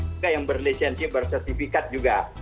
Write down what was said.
juga yang berlisensi bersertifikat juga